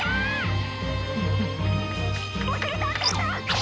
「おしりたんていさん！」。